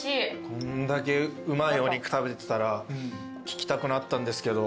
こんだけうまいお肉食べてたら聞きたくなったんですけど。